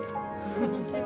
こんにちは。